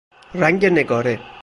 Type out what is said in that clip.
رنگ نگاره